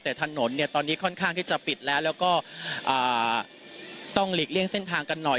แต่ถนนเนี่ยตอนนี้ค่อนข้างที่จะปิดแล้วแล้วก็ต้องหลีกเลี่ยงเส้นทางกันหน่อย